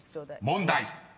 ［問題］